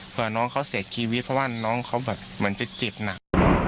เพื่อน้องเขาเสียชีวิตเพราะว่าน้องเขาแบบเหมือนจะเจ็บหนัก